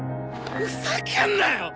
ふざけんなよ！